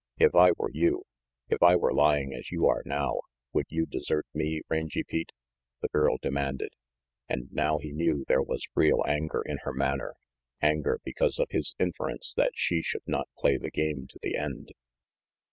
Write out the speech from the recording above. "If I were you if I were lying as you are now, would you desert me, Rangy Pete?" the girl demanded, and now he knew there was real anger in her manner, anger because of his inference that she should not play the game to the end.